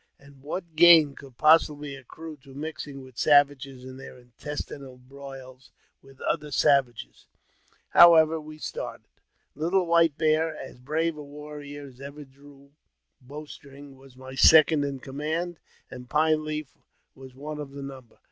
and what gain could possibly accrue to mixing with savages in their intestine broils with other savages ? However, we started. Little White Bear, as brave a warrior as ever drew bow string, was my second in command, and Pine Leaf was one of the number.